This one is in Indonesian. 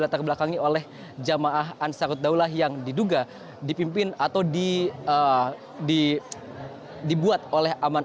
terbelakangi oleh jamaah ansaruddaullah yang diduga dipimpin atau di dibuat oleh aman